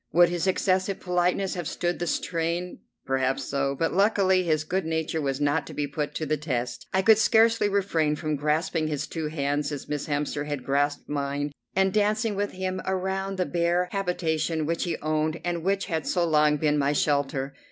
Would his excessive politeness have stood the strain? Perhaps so, but luckily his good nature was not to be put to the test. I could scarcely refrain from grasping his two hands, as Miss Hemster had grasped mine, and dancing with him around the bare habitation which he owned and which had so long been my shelter.